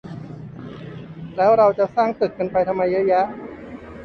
แล้วเราจะสร้างตึกกันไปทำไมเยอะแยะ